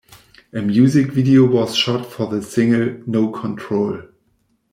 A music video was shot for the single "No Control".